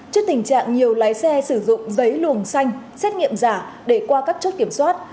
trước tình trạng nhiều lái xe sử dụng giấy luồng xanh xét nghiệm giả để qua các chốt kiểm soát